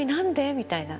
みたいな。